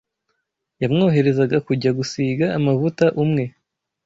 yamwoherezaga kujya gusiga amavuta umwe